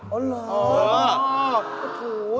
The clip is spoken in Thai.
อ๋อเหรอเผาถูกหูยถุงมือมือยาง